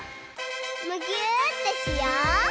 むぎゅーってしよう！